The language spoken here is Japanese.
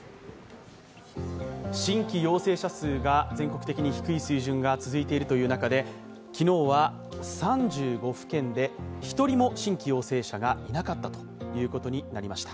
新規陽性者数が全国的に低い水準が続いている中で昨日は３５府県で１人も新規陽性者がいなかったということになりました。